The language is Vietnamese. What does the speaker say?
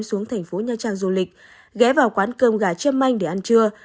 xuống thành phố nha trang du lịch ghé vào quán cơm gà châm anh để ăn trưa